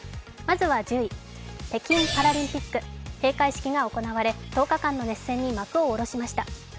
まずは１０位、北京パラリンピック閉会式が行われ１０日間の熱戦に幕を下ろしました。